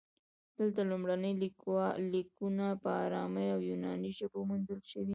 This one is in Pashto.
دلته لومړني لیکونه په ارامي او یوناني ژبو موندل شوي